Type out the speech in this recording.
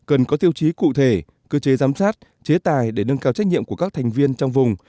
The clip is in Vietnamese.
ưu trí cụ thể cơ chế giám sát chế tài để nâng cao trách nhiệm của các thành viên trong vùng